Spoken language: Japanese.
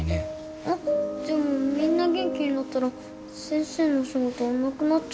あっでもみんな元気になったら先生のお仕事なくなっちゃうか。